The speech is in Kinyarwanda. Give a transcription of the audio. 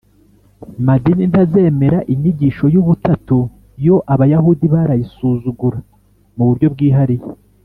Madini ntazemera inyigisho y ubutatu yo abayahudi barayisuzugura mu buryo bwihariye